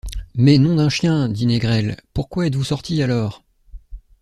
Mais, nom d’un chien! dit Négrel, pourquoi êtes-vous sorti, alors?